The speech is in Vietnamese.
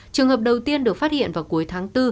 trường hợp đầu tiên được phát hiện vào cuối tháng bốn